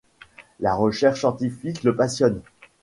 La recherche scientifique le passionne.